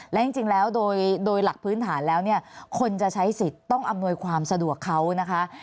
และจริงแล้วโดยหลักพื้นฐานแล้วเนี่ยคนจะใช้สิทธิ์ต้องอำนวยความสะดวกเขานะคะ